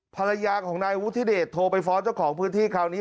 ภรรยาของนายวุฒิเดชโทรไปฟ้อนเจ้าของพื้นที่คราวนี้